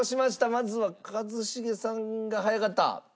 まずは一茂さんが早かった。